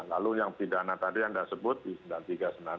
lalu yang pidana tadi anda sebut di undang undang tiga sembilan empat